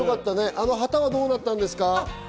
旗はどうなったんですか？